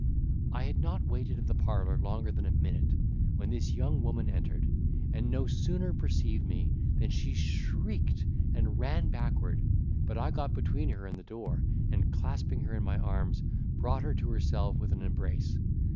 I had not waited in the parlour longer than a minute, when this young woman entered, and no sooner perceived me, than she shrieked and ran backward: but I got between her and the door, and clasping her in my arms, brought her to herself with an embrace.